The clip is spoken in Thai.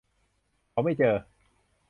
เขาไม่เจอ